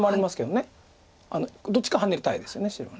どっちかハネたいです白。